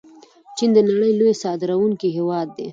چین د نړۍ لوی صادروونکی هیواد دی.